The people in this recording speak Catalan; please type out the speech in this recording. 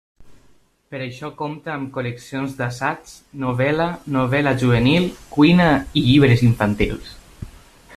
Per a això compta amb col·leccions d'assaig, novel·la, novel·la juvenil, cuina i llibres infantils.